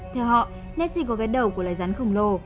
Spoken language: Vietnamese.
theo họ nessie có cái đầu của loài rắn khổng lồ